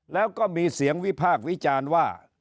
แล้วก็มีเสียงวิพากษ์วิจารณ์ว่า